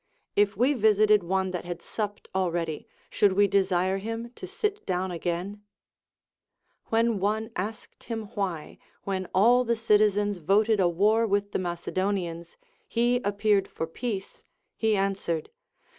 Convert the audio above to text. If we visited one that had supped already, should we desire him to sit down again '? AVhen one asked him why, when all the citizens voted a war Λvith the Macedonians, he appeared for peace, he answered.